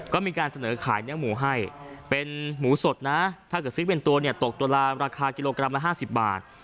ก็มีการเสนอขายเนื้อหมูให้เป็นหมูสดนะถ้าเกิดซื้อเป็นตัวเนี่ยตกตัวละราคากิโลกรัมละ๕๐บาท